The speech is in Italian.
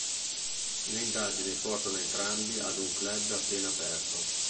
Le indagini portano entrambi ad un Club appena aperto.